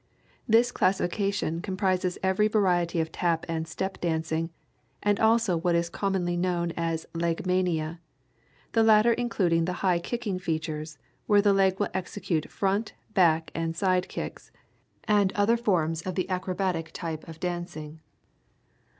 This classification comprises every variety of tap and step dancing, and also what is commonly known as "Legmania," the latter including the high kicking features, where the leg will execute front, back, and side kicks, and other forms of the acrobatic type of dancing.